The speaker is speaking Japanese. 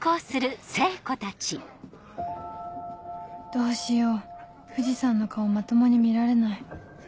どうしよう藤さんの顔まともに見られない